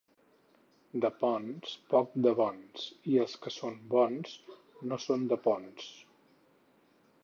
De Ponts, pocs de bons, i els que són bons, no són de Ponts.